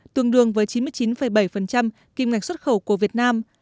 tương đương với chín mươi chín bảy kim ngạch xuất khẩu của việt nam